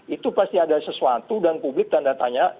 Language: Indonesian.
itu pasti ada sesuatu dan publik tanda tanya